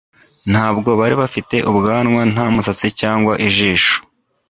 Ntabwo bari bafite ubwanwa nta musatsi cyangwa ijisho